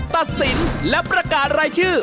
ตัดสินและประกาศรายชื่อ